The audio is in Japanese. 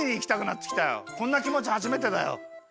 こんなきもちはじめてだよ。